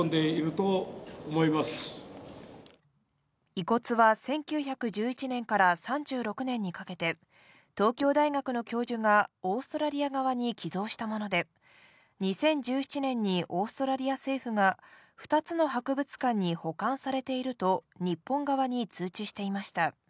遺骨は１９１１年から３６年にかけて、東京大学の教授がオーストラリア側に寄贈したもので、２０１７年にオーストラリア政府が２つの博物館に保管されていると、日本側に通知していました。